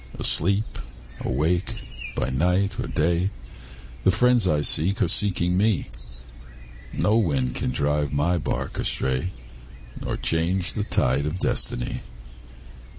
Asleep, awake, by night or day, The friends I seek are seeking me; No wind can drive my bark astray, Nor change the tide of destiny.